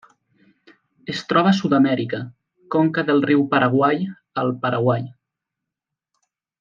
Es troba a Sud-amèrica: conca del riu Paraguai al Paraguai.